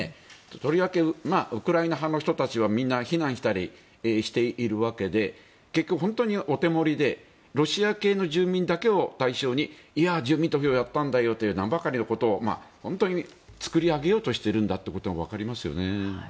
とりわけウクライナ派の人たちはみんな避難しているわけで結局、本当にお手盛りでロシア系の住民だけを対象に住民投票をやったんだよという名ばかりのことを作り上げているんだということがわかりますよね。